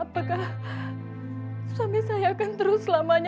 bakal bisa memiring dan membangunnya